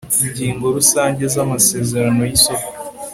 ingingo rusange z amasezerano y isoko